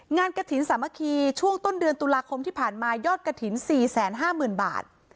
งานกระถิญสามัคคีช่วงต้นเดือนตุลาคมที่ผ่านมายอดกระถิญสี่แสนห้าหมื่นบาท